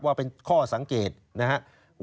ว่าเป็นข้อสังเกตนะครับ